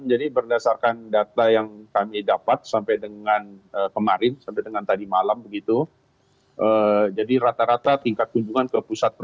jadi berdasarkan data yang kami dapat sampai dengan kemarin sampai dengan tadi malam begitu